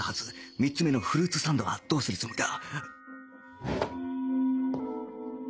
３つ目のフルーツサンドはどうするつもりだ？